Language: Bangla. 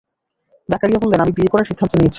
জাকারিয়া বললেন, আমি বিয়ে করার সিদ্ধান্ত নিয়েছি।